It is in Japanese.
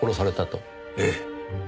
ええ。